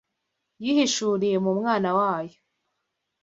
yihishuriye mu Mwana wayo